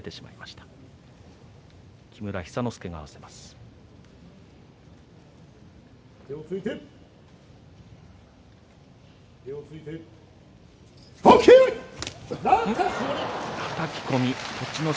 はたき込み栃ノ